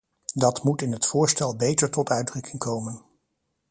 Dat moet in het voorstel beter tot uitdrukking komen.